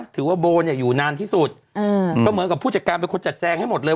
ถือว่าโบเนี่ยอยู่นานที่สุดก็เหมือนกับผู้จัดการเป็นคนจัดแจงให้หมดเลย